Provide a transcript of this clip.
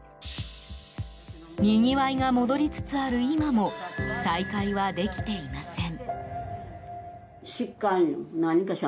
にぎわいが戻りつつある今も再開はできていません。